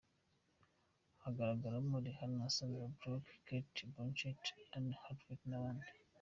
Hagaragaramo Rihanna, Sandra Bullock, Cate Blanchett, Anne Hathaway n’abandi.